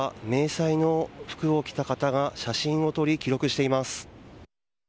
迷彩の服を着た方が写真を撮り記録しています。